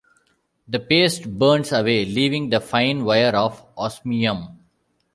The paste burns away, leaving a fine wire of osmium.